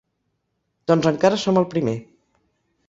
Doncs encara som al primer.